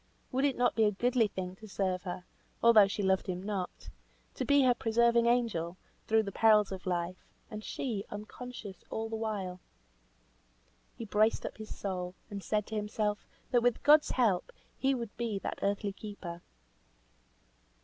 Would it not be a goodly thing to serve her, although she loved him not; to be her preserving angel, through the perils of life; and she, unconscious all the while? He braced up his soul, and said to himself, that with God's help he would be that earthly keeper.